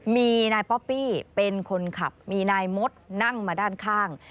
มีนายป๊อปปี้เป็นคนขับมีนายมดนั่งมาด้านข้าง